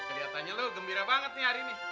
aduh keliatannya lo gembira banget nih hari ini